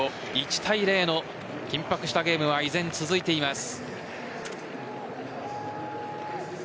１対０の緊迫したゲームは依然、続いています。